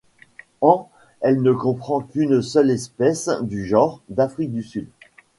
En elle ne comprend qu'une seule espèce ' du genre ', d'Afrique du Sud.